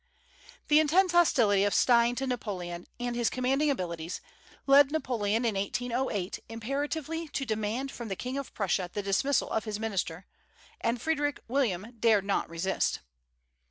The intense hostility of Stein to Napoleon, and his commanding abilities, led Napoleon in 1808 imperatively to demand from the King of Prussia the dismissal of his minister; and Frederick William dared not resist.